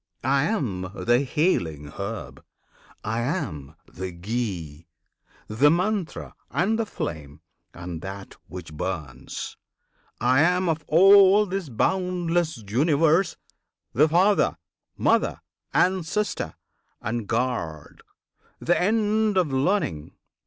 I am the healing herb! I am the ghee, The Mantra, and the flame, and that which burns! I am of all this boundless Universe The Father, Mother, Ancestor, and Guard! The end of Learning!